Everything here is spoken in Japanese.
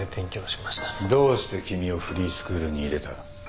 どうして君をフリースクールに入れた？